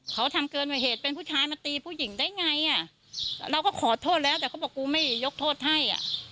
เขาทำเกินกว่าเหตุเป็นผู้ชายมาตีผู้หญิงได้ไงอ่ะเราก็ขอโทษแล้วแต่เขาบอกกูไม่ยกโทษให้อ่ะ